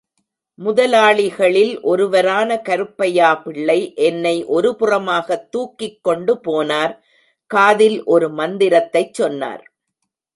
முதலாளிகளில் ஒருவரான கருப்பையாப்பிள்ளை என்னை ஒருபுறமாகத் துாக்கிக் கொண்டு போனார், காதில் ஒரு மந்திரத்தைச் சொன்னார்.